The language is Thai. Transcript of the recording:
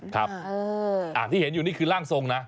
ครับที่เห็นอยู่นี่คือร่างทรงนะ